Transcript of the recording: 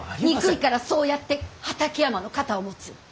憎いからそうやって畠山の肩を持つ。